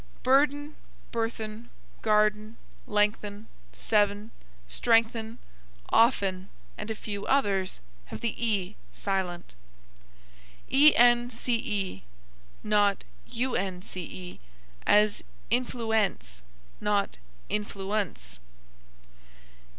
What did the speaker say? Burden, burthen, garden, lengthen, seven, strengthen, often, and a few others, have the e silent. ence, not unce, as influence, not influ unce.